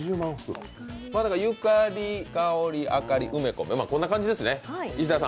ゆかり、かおり、あかり、うめこ、こんな感じですね。